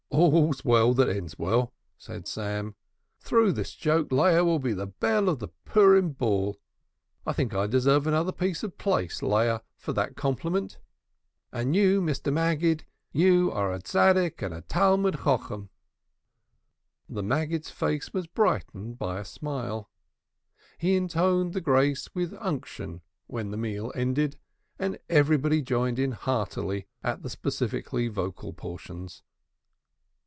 "All's well that ends well," said Sam. "Through this joke Leah will be the belle of the Purim Ball. I think I deserve another piece of plaice, Leah, for that compliment. As for you, Mr. Maggid, you're a saint and a Talmud sage!" The Maggid's face was brightened by a smile. He intoned the grace with unction when the meal ended, and everybody joined in heartily at the specifically vocal portions.